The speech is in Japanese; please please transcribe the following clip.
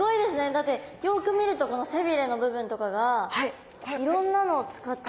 だってよく見るとこの背鰭の部分とかがいろんなのを使って。